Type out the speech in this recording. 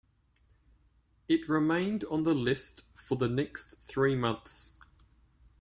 It remained on the list for the next three months.